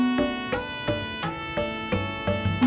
cincin tati satu